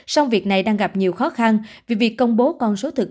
song việc này đang gặp nhiều khó khăn vì việc công bố con số thực